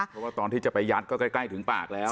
เพราะว่าตอนที่จะไปยัดก็ใกล้ถึงปากแล้ว